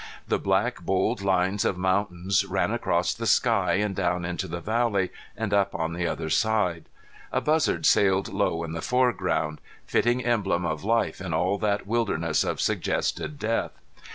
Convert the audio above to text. The black bold lines of mountains ran across the sky and down into the valley and up on the other side. A buzzard sailed low in the foreground fitting emblem of life in all that wilderness of suggested death.